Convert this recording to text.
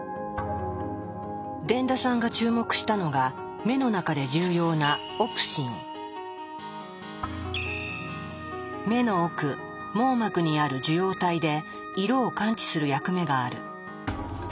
傳田さんが注目したのが目の中で重要な目の奥網膜にある受容体で色を感知する役目がある。